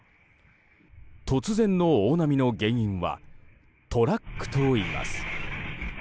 突然の大波の原因はトラックといいます。